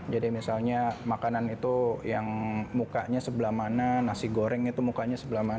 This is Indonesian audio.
jadi misalnya makanan itu yang mukanya sebelah mana nasi goreng itu mukanya sebelah mana